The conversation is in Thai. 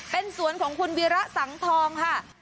เป็นสวนของคุณวีระสังทองค่ะ